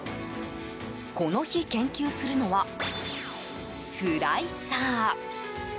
この日、研究するのはスライサー。